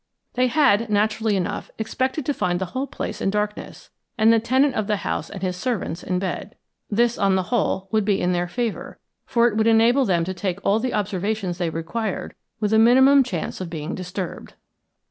They had, naturally enough, expected to find the whole place in darkness, and the tenant of the house and his servants in bed. This, on the whole, would be in their favor, for it would enable them to take all the observations they required with a minimum chance of being disturbed.